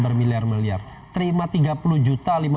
bermiliar miliar terima tiga puluh juta